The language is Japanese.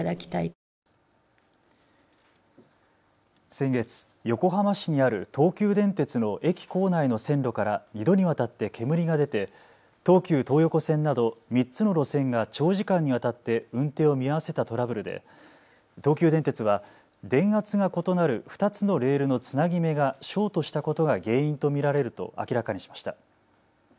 先月、横浜市にある東急電鉄の駅構内の線路から２度にわたって煙が出て東急東横線など３つの路線が長時間にわたって運転を見合わせたトラブルで東急電鉄は電圧が異なる２つのレールのつなぎ目がショートしたことが原因と見られると明らかにしました。